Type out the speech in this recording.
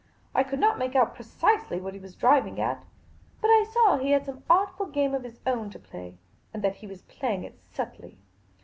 I could not make out precisely what he was driving at ; but I saw he had some artful game of his own to play, and that he was playing it subtly.